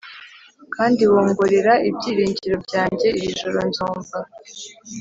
kandi wongorera ibyiringiro byanjye, "iri joro nzumva